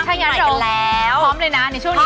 ถ้างั้นแล้วพร้อมเลยนะในช่วงนี้